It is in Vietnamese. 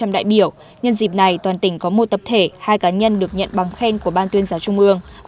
một trăm linh đại biểu nhân dịp này toàn tỉnh có một tập thể hai cá nhân được nhận bằng khen của ban tuyên giáo trung ương